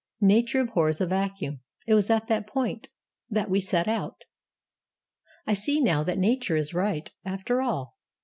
'Nature abhors a vacuum'; it was at that point that we set out. I see now that Nature is right, after all.